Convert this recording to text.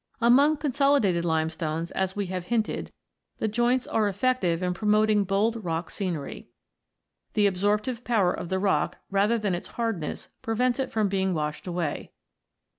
Among more consolidated limestones, as we have hinted, the joints are effective in promoting bold rock scenery. The absorptive power of the rock, rather than its hardness, prevents it from being washed away.